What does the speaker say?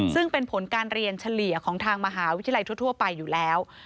ซึ่งเป็นผลการเรียนเฉลี่ยของทางมหาวิทยาลัยทั่วไปอยู่แล้ว